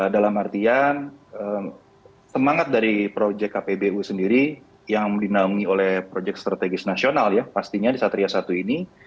dalam artian semangat dari projek kpbu sendiri yang dinamai oleh projek strategis nasional pastinya di satria satu ini